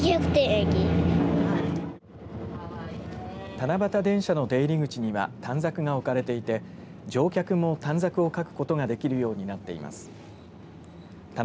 七夕電車の出入り口には短冊が置かれていて乗客も短冊を書くことができるようになっています。